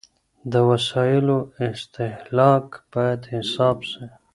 د وسايلو استهلاک بايد حساب سي.